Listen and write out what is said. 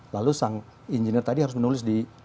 lalu sang engineer tadi harus menulis di